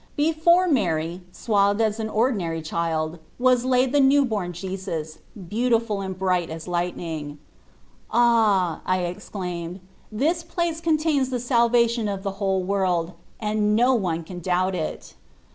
Before Mary, swathed as an ordinary child, was laid the new born Jesus, beautiful and bright as lightning. " Ah !" I exclaimed, " this place contains the Salvation of the whole world, and no one can doubt it."